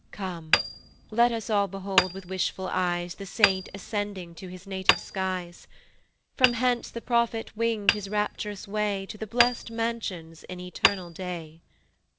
Come, let us all behold with wishful eyes The saint ascending to his native skies; From hence the prophet wing'd his rapt'rous way To the blest mansions in eternal day.